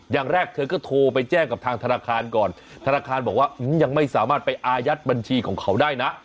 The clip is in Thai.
อย่างแรกเธอก็โทรไปแจ้งกับทางธนาคารก่อนธนาคารบอกว่ายังไม่สามารถไปอายัดบัญชีของเขาได้นะ